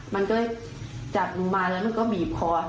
มันก็จับหนูมาแล้วมันก็บีบคอบีบคออยู่ตรงนี้